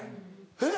えっ？